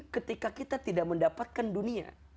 ketika kita tidak mendapatkan dunia